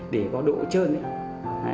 để có độ trơn